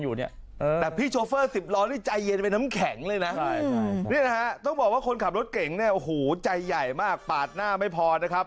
ยุ่งอะไรเอาเหนือกลับคายใหญ่มากปาดหน้าไม่พอนะ